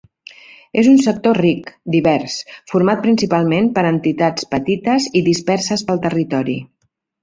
És un sector ric, divers, format principalment per entitats petites i disperses pel territori.